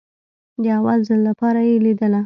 د اول ځل لپاره يې ليدله.